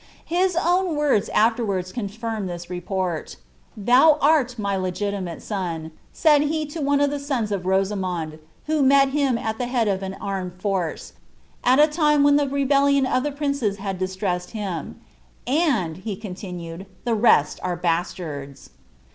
Ills own wonts afterwards MolinDDd ihia report :>■ Thou art my legitimate sou," said he to one of ibe MM of Koiamond, who met him at the head of an armed force, at ■ line when the rebellion of the princes had distressed him; "and," roulmoed he, * the rest are bastards."